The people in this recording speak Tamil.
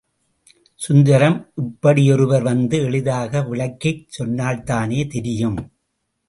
சுந்தரம் இப்படி ஒருவர் வந்து எளிதாக விளக்கிச் சொன்னால்தானே தெரியும்.